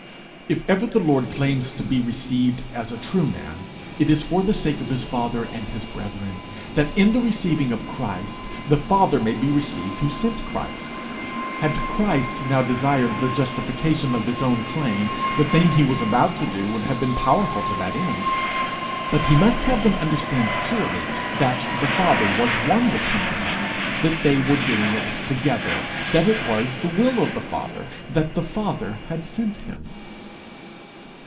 If ever the Lord claims to be received as a true man, it is for the sake of his father and his brethren, that in the receiving of him, he may be received who sent him. Had he now desired the justification of his own claim, the thing he was about to do would have been powerful to that end; but he must have them understand clearly that the Father was one with him in it that they were doing it together that it was the will of the Father that he had sent him.